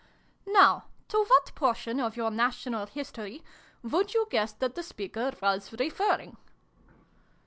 ''" Now to what portion of your national history would you guess that the speaker was referring